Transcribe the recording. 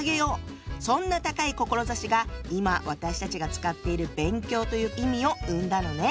そんな高い志が今私たちが使っている「勉強」という意味を生んだのね。